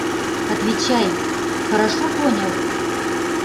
Отвечай: хорошо понял?